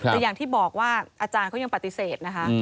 แต่อย่างที่บอกว่าอาจารย์เขายังปฏิเสธนะคะ